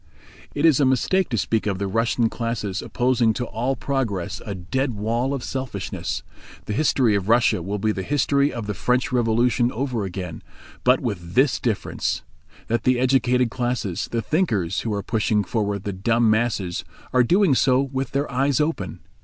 It is a mistake to speak of the Russian classes opposing to all progress a dead wall of selfishness. The history of Russia will be the history of the French Revolution over again, but with this difference: that the educated classes, the thinkers, who are pushing forward the dumb masses are doing so with their eyes open.